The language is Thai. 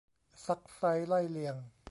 ซักไซ้ไล่เลียง